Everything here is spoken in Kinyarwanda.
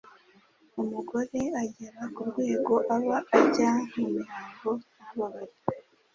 umugore agera ku rwego aba ajya mu mihango ntababare